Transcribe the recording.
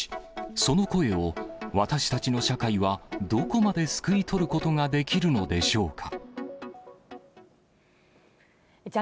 その声を、私たちの社会は、どこまですくい取ることができるのでしょうか。